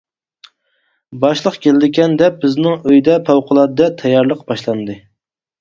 باشلىق كېلىدىكەن، دەپ، بىزنىڭ ئۆيدە پەۋقۇلئاددە تەييارلىق باشلاندى.